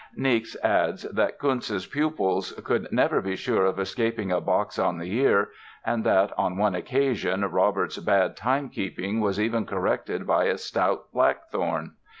Niecks adds that Kuntzsch's pupils could never be sure of escaping a box on the ear and that "on one occasion Robert's bad timekeeping was even corrected by a stout blackthorn".